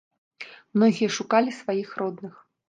Многія шукалі сваіх родных.